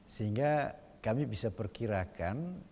sehingga kami bisa perkirakan